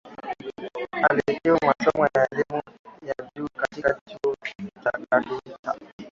Alihitimu masomo ya elimu ya juu katika Chuo Kikuu cha Calcutta